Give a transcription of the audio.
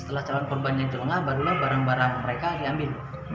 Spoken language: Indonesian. setelah calon korbannya diunggah barulah barang barang mereka diambil